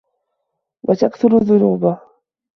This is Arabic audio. وَتَكْثُرَ ذُنُوبُهُ